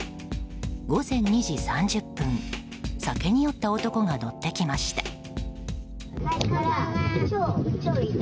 午前２時３０分酒に酔った男が乗ってきました。